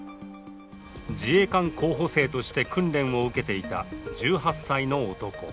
自衛官候補生として、訓練を受けていた１８歳の男。